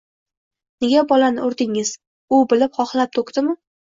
Nega bolani urdingiz? U bilib, xohlab to'kdimi?